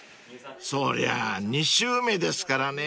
［そりゃ２周目ですからね］